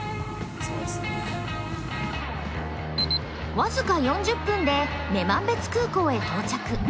僅か４０分で女満別空港へ到着。